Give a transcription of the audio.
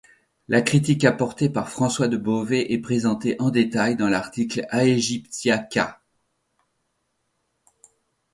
La critique apportée par François de Bovet est présentée en détail dans l'article Ægyptiaca.